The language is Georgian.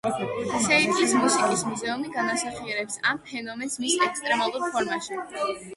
სიეტლის მუსიკის მუზეუმი განასახიერებს ამ ფენომენს მის ექსტრემალურ ფორმაში.